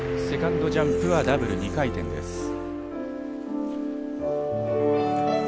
セカンドジャンプはダブル２回転です。